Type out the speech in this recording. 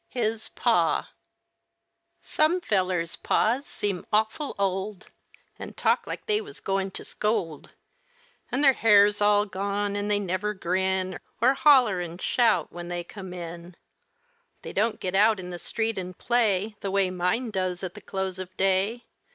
HIS PA Some fellers' pas seem awful old, An' talk like they was going to scold, An' their hair's all gone, an' they never grin Or holler an' shout when they come in. They don't get out in the street an' play The way mine does at the close of day.